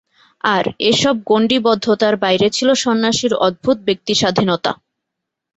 আর, এ-সব গণ্ডীবদ্ধতার বাইরে ছিল সন্ন্যাসীর অদ্ভুত ব্যক্তিস্বাধীনতা।